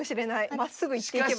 まっすぐ行っていけば。